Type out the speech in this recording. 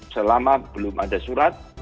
selama belum ada surat